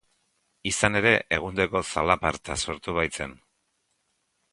Izan ere, egundoko zalaparta sortu baitzen.